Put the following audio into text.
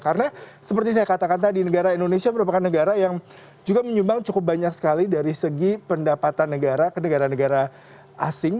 karena seperti saya katakan tadi negara indonesia merupakan negara yang juga menyumbang cukup banyak sekali dari segi pendapatan negara ke negara negara asing